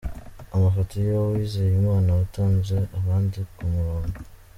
Amafoto ya Uwizeyimana watanze abandi ku murongo.